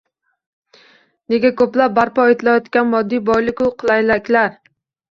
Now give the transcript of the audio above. Nega ko‘plab barpo etilayotgan moddiy boyligu qulayliklar